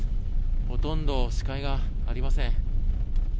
ほとんど視界がありません。